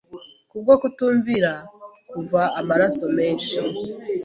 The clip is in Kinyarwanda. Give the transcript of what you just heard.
kubwo kutumvira kuva amaraso menshi